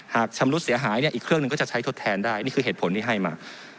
ชำรุดเสียหายเนี่ยอีกเครื่องหนึ่งก็จะใช้ทดแทนได้นี่คือเหตุผลที่ให้มา